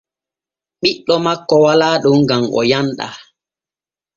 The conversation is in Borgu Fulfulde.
Ɓiɗɗo makko walaa ɗon gam o yanɗaa.